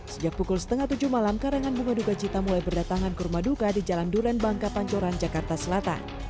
sejak pukul setengah tujuh malam karangan bunga duga cita mulai berdatangan ke rumah duka di jalan duren bangka pancoran jakarta selatan